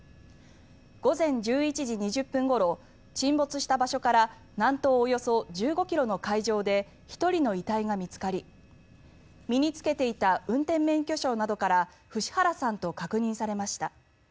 午前１１時２０分ごろ沈没した場所から南東およそ１５ｋｍの海上で１人の遺体が見つかり身に着けていた運転免許証などから伏原さんと確認されました。